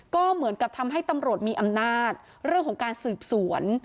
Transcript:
ก็เหมือนกับทำให้ตำรวจมีอำนาจเรื่องของการสืบสวน